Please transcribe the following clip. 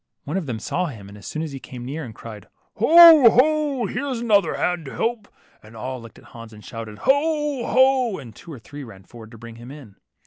One of them saw him as soon as he came near, and cried, Ho ! ho ! here is another hand to help ; and all looked at Hans and shouted, Ho ! ho !'' and two or three ran forward to bring him in.